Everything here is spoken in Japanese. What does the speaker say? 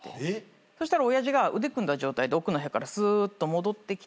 そしたら親父が腕組んだ状態で奥の部屋からすーっと戻ってきて